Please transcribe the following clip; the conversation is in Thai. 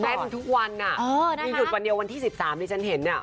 แบบทุกวันอ่ะมีหยุดวันเดียววันที่๑๓นี้ฉันเห็นอ่ะ